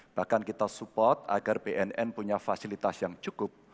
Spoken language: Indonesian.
bahkan kita support agar bnn punya fasilitas yang cukup